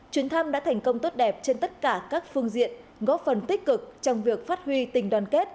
chuyến thăm đã thành công tốt đẹp trên tất cả các phương diện góp phần tích cực trong việc phát huy tình đoàn kết